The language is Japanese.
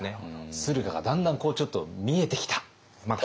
駿河がだんだんちょっと見えてきた。